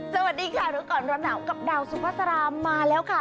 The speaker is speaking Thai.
สวัสดีค่ะรู้ก่อนร้อนหนาวกับดาวสุภาษามาแล้วค่ะ